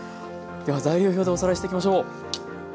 では材料表でおさらいしていきましょう。